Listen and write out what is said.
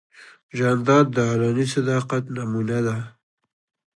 جانداد د علني صداقت نمونه ده.